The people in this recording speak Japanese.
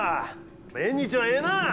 縁日はええなあ。